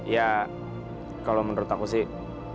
ya kalau menurut aku sih